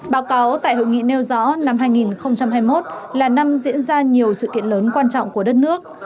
báo cáo tại hội nghị nêu rõ năm hai nghìn hai mươi một là năm diễn ra nhiều sự kiện lớn quan trọng của đất nước